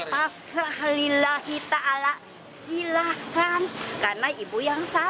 pasrah lillah kita ala silakan karena ibu yang salah